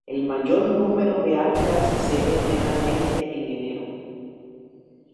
El mayor número de águilas se ve generalmente en enero.